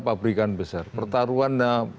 pabrikan besar pertaruhan